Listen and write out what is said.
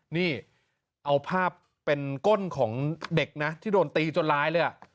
นี่เอาภาพเป็นก้นของเด็กนะที่โดนตีจนร้ายเลย